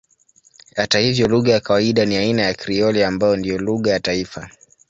Hata hivyo lugha ya kawaida ni aina ya Krioli ambayo ndiyo lugha ya taifa.